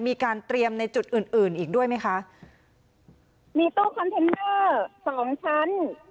มีการเตรียมในจุดอื่นอื่นอีกด้วยไหมคะมีตู้คอนเทนเนอร์สองชั้น